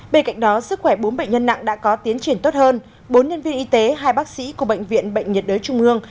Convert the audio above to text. bên cạnh đó sức khỏe bốn bệnh nhân nặng đã có tiến triển tốt hơn bốn nhân viên y tế hai bác sĩ của bệnh viện bệnh nhiệt đới trung ương